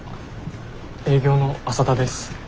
営業の浅田です。